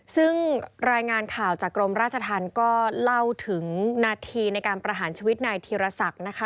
ซึ่งรายงานข่าวจากกรมราชธรรมก็เล่าถึงนาทีในการประหารชีวิตนายธีรศักดิ์นะคะ